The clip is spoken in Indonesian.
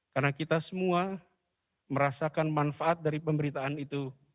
karena kita semua merasakan manfaat dari pemberitaan itu